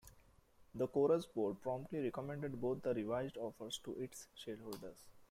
The Corus board promptly recommended both the revised offers to its shareholders.